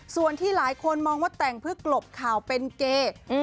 ส่วนที่หลายคนมองว่าแต่งเพื่อกลบข่าวเป็นเกย์